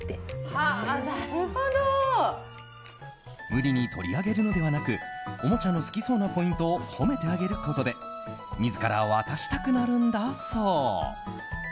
無理に取り上げるのではなくおもちゃの好きそうなポイントを褒めてあげることで自ら渡したくなるんだそう。